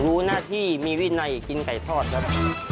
รู้หน้าที่มีวินัยกินไก่ทอดครับ